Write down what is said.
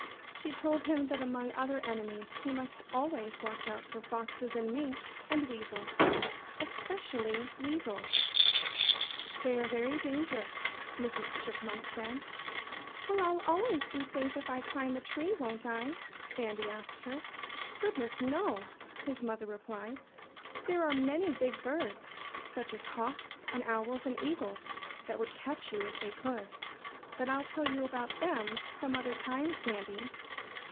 She told him that among other enemies he must always watch out for foxes and minks and weasels especially weasels. "They are very dangerous," Mrs. Chipmunk said. "Well, I'll always be safe if I climb a tree won't I?" Sandy asked her. "Goodness, no!" his mother replied. "There are many big birds such as hawks and owls and eagles that would catch you if they could.... But I'll tell you about them some other time, Sandy."